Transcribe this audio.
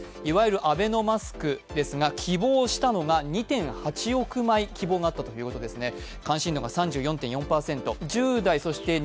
いわゆるアベノマスクですが希望したのが２．８億枚希望があったということですね。